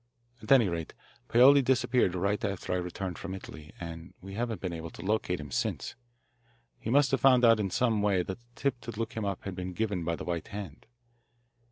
At any rate Paoli disappeared right after I returned from Italy, and we haven't been able to locate him since. He must have found out in some way that the tip to look him up had been given by the White Hand.